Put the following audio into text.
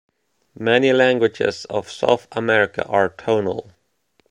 Many languages of South America are tonal.